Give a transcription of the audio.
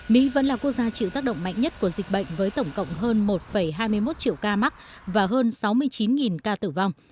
mỹ vẫn là quốc gia chịu tác động mạnh nhất của dịch bệnh với tổng cộng hơn một hai mươi một triệu ca mắc và hơn sáu mươi chín ca tử vong